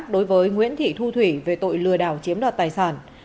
đối với nguyễn thị thu thủy về tội lừa đảo chiếm đoạt tài sản